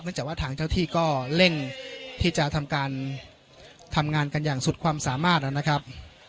จากว่าทางเจ้าที่ก็เร่งที่จะทำการทำงานกันอย่างสุดความสามารถนะครับ